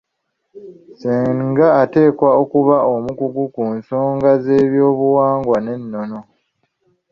Ssenga ateekwa okuba omukugu ku nsonga z'eby'obuwangwa n'ennono.